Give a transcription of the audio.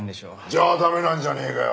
じゃあ駄目なんじゃねえかよ